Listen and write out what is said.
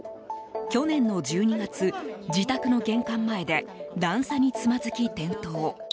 去年の１２月、自宅の玄関前で段差につまずき転倒。